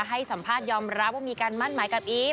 ให้สัมภาษณ์ยอมรับว่ามีการมั่นหมายกับอีฟ